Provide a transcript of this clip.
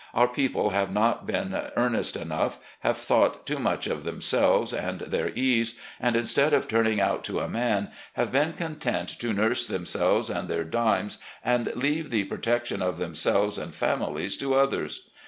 Our people have not been earnest enough, have thought too much of themselves and their ease, and instead of turn ing out to a man, have been content to nurse themselves and their dimes, and leave the protection of themselves 66 RECOLLECTIONS OF GENERAL LEE and families to others.